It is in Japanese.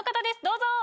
どうぞ。